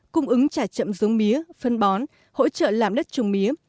cung ứng trả chậm giống mía phân bón hỗ trợ làm đất trồng mía